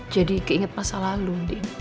jadi keinget masa lalu